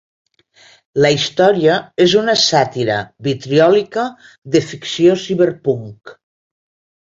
La història és una sàtira vitriòlica de ficció ciberpunk.